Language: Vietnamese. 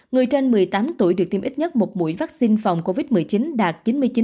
người trên một mươi tám tuổi được tiêm ít nhất một mũi vaccine phòng covid một mươi chín đạt chín mươi chín bảy mươi bốn